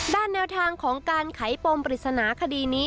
แนวทางของการไขปมปริศนาคดีนี้